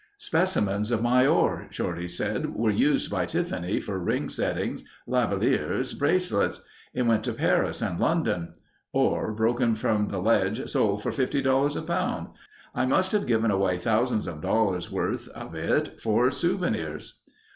"Specimens of my ore," Shorty said, "were used by Tiffany for ring settings, lavallieres, bracelets. It went to Paris and London. Ore broken from the ledge sold for $50 a pound. I must have given away thousands of dollars' worth of it for souvenirs."